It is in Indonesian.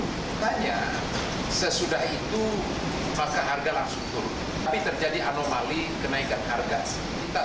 pertanyaan sesudah itu maka harga langsung turun tapi terjadi anomali kenaikan harga